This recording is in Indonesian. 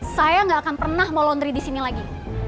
saya gak akan pernah mau londri disini lagi